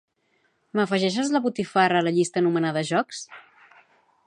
M'afegeixes la botifarra a la llista anomenada "jocs"?